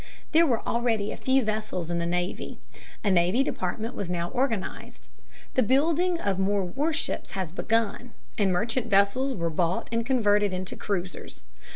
There were already a few vessels in the navy. A Navy Department was now organized. The building of more warships was begun, and merchant vessels were bought and converted into cruisers.